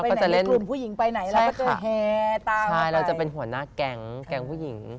ก็เล่นวอเล็กวอลเหมือนเด็กผู้หญิง